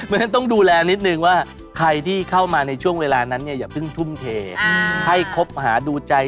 มันต้องหลักไปแล้วค่ะสำหรับผู้ที่เกิดเดือน